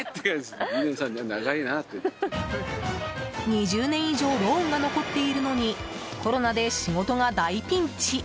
２０年以上ローンが残っているのにコロナで仕事が大ピンチ！